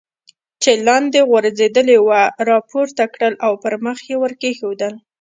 چې لاندې غورځېدلې وه را پورته کړل او پر مخ یې ور کېښودل.